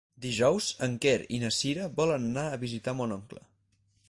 Dijous en Quer i na Cira volen anar a visitar mon oncle.